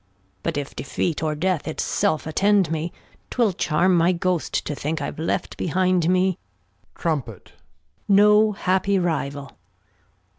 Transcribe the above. But if Defeat, or Death it self attend me, 'TwiU charm my Ghost to think I've left behind me. No happy Rival.